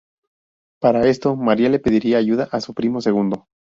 Para esto, María le pedirá ayuda a su primo segundo.